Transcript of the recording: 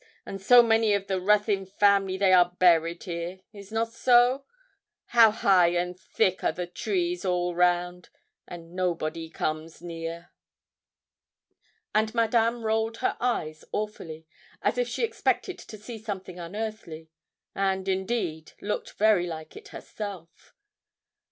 and so many of the Ruthyn family they are buried here is not so? How high and thick are the trees all round! and nobody comes near.' And Madame rolled her eyes awfully, as if she expected to see something unearthly, and, indeed, looked very like it herself.